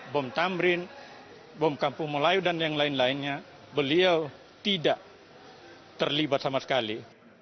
bom tamrin bom kampung melayu dan yang lain lainnya beliau tidak terlibat sama sekali